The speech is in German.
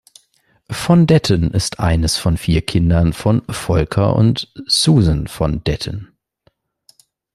Von Detten ist eines von vier Kindern von Volker und Susan von Detten.